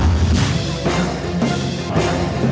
việc nghệ lương xa